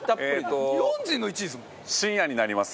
齊藤：深夜になります。